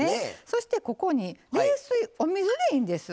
そしてここに冷水お水でいいんです。